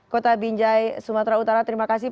kota binjai sumatera utara terima kasih